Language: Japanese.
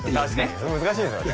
確かに難しいですよね